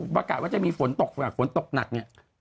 ประกาศว่าจะมีฝนตกฝนตกหนักเนี่ย